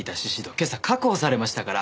今朝確保されましたから。